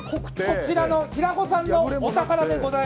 こちらの平子さんのお宝。